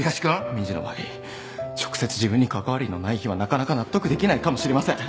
民事の場合直接自分に関わりのない非はなかなか納得できないかもしれません。